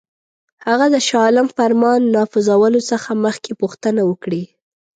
هغه د شاه عالم فرمان نافذولو څخه مخکي پوښتنه وکړي.